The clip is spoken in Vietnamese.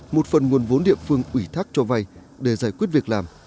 một phần nguồn vốn địa phương ủy thác cho vay để giải quyết việc làm